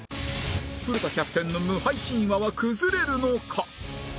古田キャプテンの無敗神話は崩れるのか？